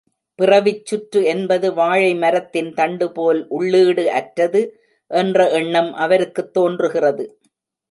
பிறவிச் சுற்று என்பது வாழை மரத்தின் தண்டுபோல் உள்ளீடு அற்றது என்ற எண்ணம் அவருக்குத் தோன்றுகிறது.